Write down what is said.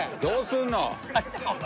どうすんの！？